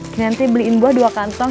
nanti beliin buah dua kantong